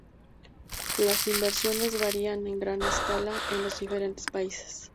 Las inversiones varían en gran escala en los diferentes países.